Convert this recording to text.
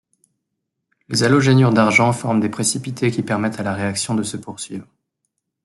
Les halogénures d'argent forment des précipités qui permettent à la réaction de se poursuivre.